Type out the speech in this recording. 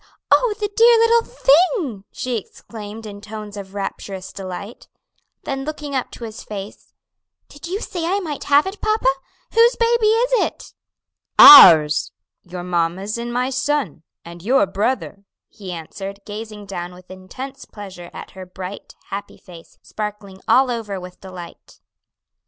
Oh, the dear little thing!" she exclaimed in tones of rapturous delight. Then looking up into his face, "Did you say I might have it, papa? whose baby is it?" "Ours; your mamma's and my son, and your brother," he answered, gazing down with intense pleasure at her bright, happy face, sparkling all over with delight.